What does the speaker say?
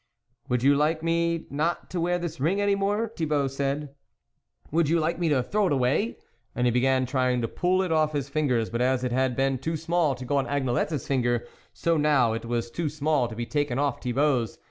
" Would you like me not to wear this ring any more ?" said Thibault. " Would you like me to throw it away ?" And he began trying to pull it off his finger, but as it had been too small to go on Agnelette's finger, so now it was too small to be taken off Thibault's.